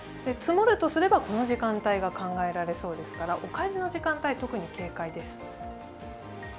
積もるとすれば、この時間帯が考えられそうですからお帰りの時間帯、特に警戒です。